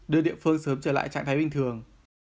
đưa địa phương sớm trở lại trạng thái bình thường